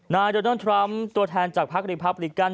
นายโดนัลดทรัมป์ตัวแทนจากพักรีพับลิกัน